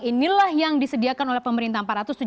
inilah yang disediakan oleh pemerintah empat ratus tujuh puluh